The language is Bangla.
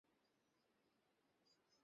কারণ, সে ছিল তার সম্প্রদায়ের ধর্মে বিশ্বাসী।